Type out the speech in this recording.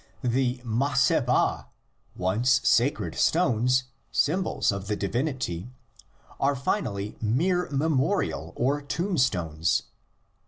The Massebha, once sacred stones, symbols of the divinity, are finally mere memorial or tomb stones.